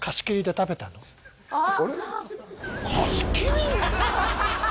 あっ！